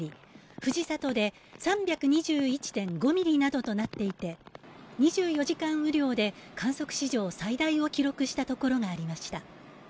藤里で３２１．５ミリなどとなっていて２４時間雨量で観測史上最大を記録したところがありました。